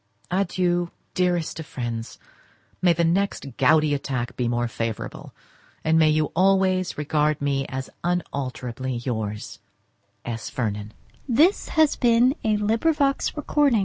Adieu, dearest of friends; may the next gouty attack be more favourable! and may you always regard me as unalterably yours, S. VERNON XL _Lady De Courcy to Mrs. Vernon.